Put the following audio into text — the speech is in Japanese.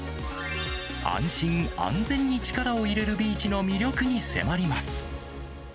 安心安全に力を入れるビーチの魅力に迫ります。